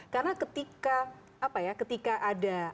karena ketika ada api kemudian ramai ramai semua pihak memadamkan